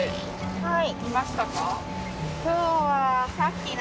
はい。